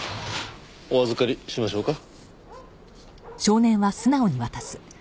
お預かりしましょうか？